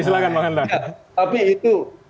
silahkan bang hanta